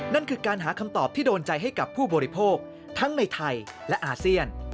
นั่นคือการหาคำตอบที่โดนใจให้กับผู้บริโภคทั้งในไทยและอาเซียน